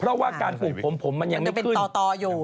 เพราะว่าการปลูกผมผมมันยังไม่เป็นต่ออยู่